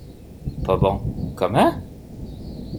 Pas bon, comment?